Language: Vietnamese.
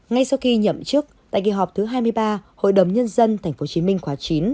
ngay sau khi nhậm chức tại kỳ họp thứ hai mươi ba hội đồng nhân dân tp hcm khóa chín